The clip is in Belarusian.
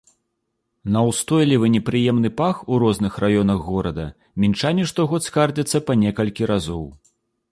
На ўстойлівы непрыемны пах у розных раёнах горада мінчане штогод скардзяцца па некалькі разоў.